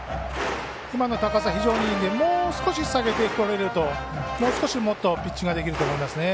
今の高さ、非常にいいのでもう少し下げてこれるともう少しもっとピッチングできると思いますね。